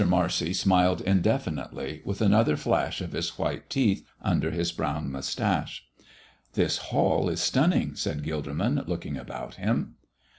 Marcy smiled indefinitely, with another flash of his white teeth under his brown mustache. "This hall is stunning," said Gilderman, looking about him.